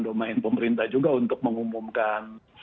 domain pemerintah juga untuk mengumumkan